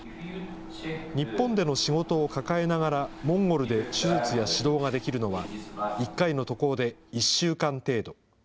日本での仕事を抱えながら、モンゴルで手術や指導ができるのは、１回の渡航で１週間程度。